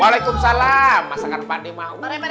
waalaikumsalam masakan pakde mau